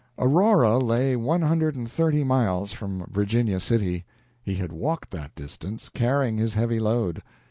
Aurora lay one hundred and thirty miles from Virginia City. He had walked that distance, carrying his heavy load.